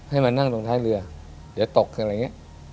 ให้มานั่งตรงท้ายเรือเดี๋ยวตกคืออะไรอย่างนี้